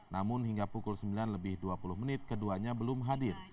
namun hingga pukul sembilan lebih dua puluh menit keduanya belum hadir